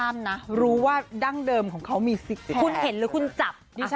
เพื่อรับงานการแสดงเรื่องต่อไป